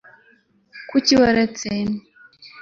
kuki waretse